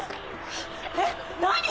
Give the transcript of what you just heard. えっ何！？